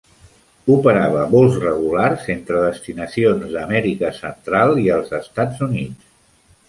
Operava vols regulars entre destinacions d'Amèrica Central i als Estats Units.